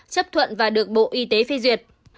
chấp thuận và được bộ y tế phê duyệt